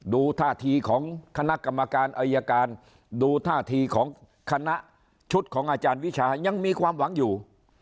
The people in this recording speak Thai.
ดูท่าทีของคณะกรรมการอายการดูท่าทีของคณะชุดของอาจารย์วิชายังมีความหวังอยู่